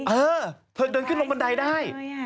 เออเธอเดินขึ้นลงบันไดได้